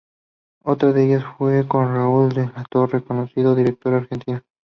Otra de ellas fue con Raúl de la Torre, conocido director argentino.